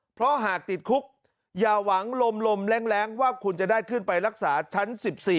เพราะหากติดคุกอย่าหวังลมแรงว่าคุณจะได้ขึ้นไปรักษาชั้น๑๔